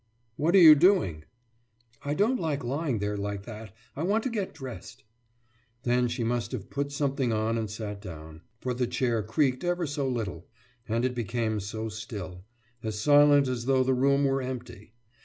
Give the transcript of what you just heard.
»What are you doing?« »I don't like lying there like that. I want to get dressed.« Then she must have put something on and sat down; for the chair creaked ever so little; and it became so still as silent as though the room were empty.